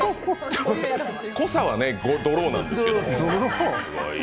濃さはドローなんですけどね。